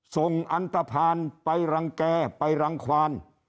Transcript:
ส่งอันตภัณฑ์ไปรังแก่ไปรังความ